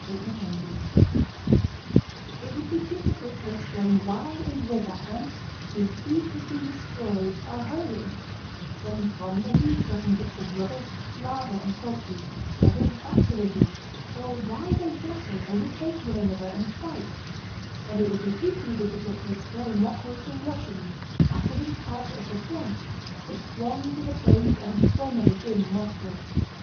CHAPTER XIV It would be difficult to explain why and whither ants whose heap has been destroyed are hurrying: some from the heap dragging bits of rubbish, larvae, and corpses, others back to the heap, or why they jostle, overtake one another, and fight, and it would be equally difficult to explain what caused the Russians after the departure of the French to throng to the place that had formerly been Moscow.